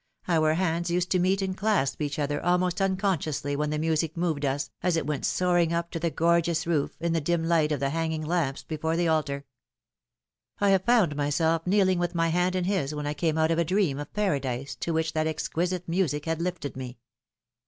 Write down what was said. Our hands used to meet and clasp each other almost unconsciously when the music moved us as it went soaring up to the gorgeous roof, in the dim light of .the hanging lamps before the altar. I have found myself kneeling with my hand in his when I came out of a dream of Paradise to which that exquisite music had lifted me.